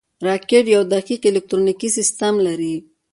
راکټ یو دقیق الکترونیکي سیستم لري